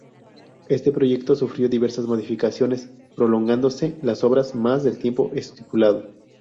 Este proyecto sufrió diversas modificaciones, prolongándose las obras más del tiempo estipulado.